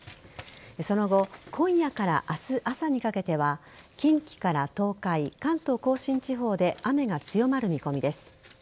その後今夜から明日朝にかけては近畿から東海、関東甲信地方で雨が強まる見込みです。